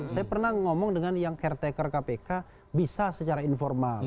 saya pernah ngomong dengan yang caretaker kpk bisa secara informal